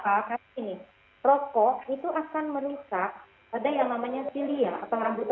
karena ini perokok itu akan merusak pada yang namanya cilia atau rambut cilia